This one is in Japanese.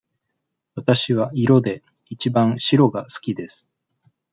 わたしは色でいちばん白が好きです。